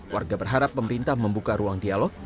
warga berharap pemerintah membuka ruang dialog